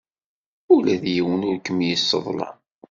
Ula d yiwen ur kem-yesseḍlam.